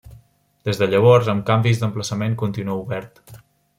Des de llavors, amb canvis d'emplaçament, continua obert.